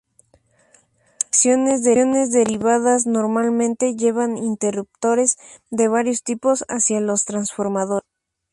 Las secciones derivadas normalmente llevan interruptores de varios tipos hacia los transformadores.